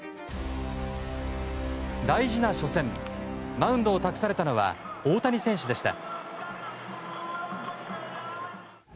大事な初戦マウンドを託されたのは大谷選手でした。